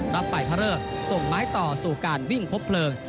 รับไฟพระเริกส่งไม้ต่อสู่การวิ่งพบเพลิง